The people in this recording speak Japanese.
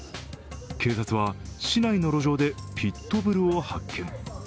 警察は、市内の路上でピット・ブルを発見。